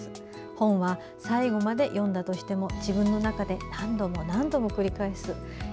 本は最後まで読んだとしても自分の中で何度も何度も繰り返す。